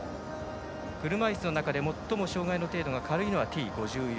車いすの中で、最も障がいの程度が軽いのはＴ５４。